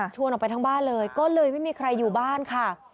ออกไปทั้งบ้านเลยก็เลยไม่มีใครอยู่บ้านค่ะ